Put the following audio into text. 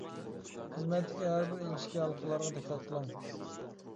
خىزمەتتىكى ھەر بىر ئىنچىكە ھالقىلارغا دىققەت قىلىڭ.